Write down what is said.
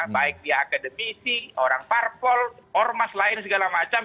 baik dia akademisi orang parpol ormas lain segala macam